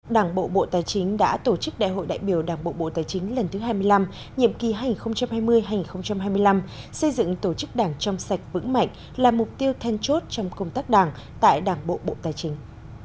đảng bộ bộ tài chính đã tổ chức đại hội đại biểu đảng bộ bộ tài chính lần thứ hai mươi năm nhiệm kỳ hai nghìn hai mươi hai nghìn hai mươi năm xây dựng tổ chức đảng trong sạch vững mạnh là mục tiêu then chốt trong công tác đảng tại đảng bộ bộ tài chính